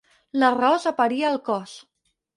L'arròs aparia el cos.